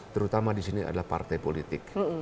terutama disini adalah partai politik